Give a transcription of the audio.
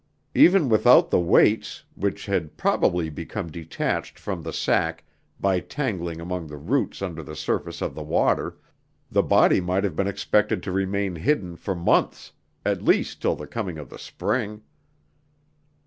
Even without the weights, which had probably become detached from the sack by tangling among the roots under the surface of the water, the body might have been expected to remain hidden for months at least, till the coming of the spring.